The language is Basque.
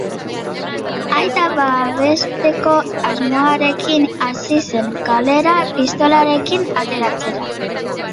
Aita babesteko asmoarekin hasi zen kalera pistolarekin ateratzen.